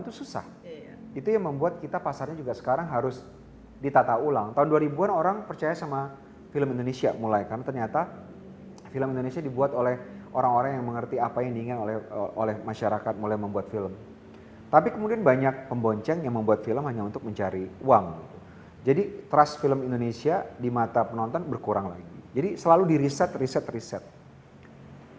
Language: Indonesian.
itu susah itu yang membuat kita pasarnya juga sekarang harus ditata ulang tahun dua ribu an orang percaya sama film indonesia mulai karena ternyata film indonesia dibuat oleh orang orang yang mengerti apa yang diingat oleh masyarakat mulai membuat film tapi kemudian banyak pembonceng yang membuat film hanya untuk mencari uang jadi trust film indonesia di mata penonton berkurang lagi jadi selalu di riset riset riset that's why saya bilang cinema culture di indonesia sering berhenti dan sering harus di riset